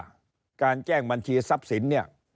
การแจ้งบัญชีทรัพย์สินเนี่ย